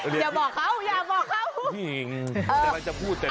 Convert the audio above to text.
เรียนที่ไหนอย่าบอกเขาอย่าบอกเขา